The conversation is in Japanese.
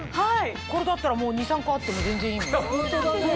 これだったら２３個あっても全然いいもんねホント。